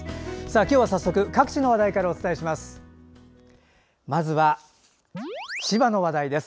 今日は早速、各地の話題からお伝えします。